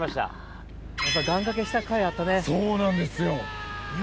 そうなんですよ。